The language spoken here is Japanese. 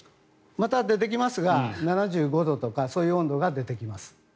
また出てきますが７５度とかそういう温度が出てきます。